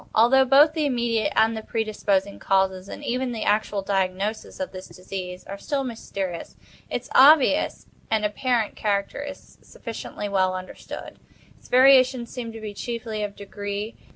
Although both the immediate and the predisposing causes, and even the actual diagnosis, of this disease are still mysterious, its obvious and apparent character is sufficiently well understood. Its variations seem to be chiefly of degree.